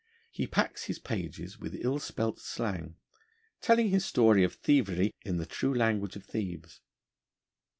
He packs his pages with ill spelt slang, telling his story of thievery in the true language of thieves.